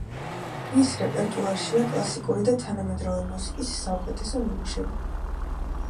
მის რეპერტუარშია კლასიკური და თანამედროვე მუსიკის საუკეთესო ნიმუშები.